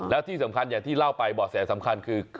แล้วที่สำคัญอย่างที่เล่าไปบ่อแสสำคัญคือ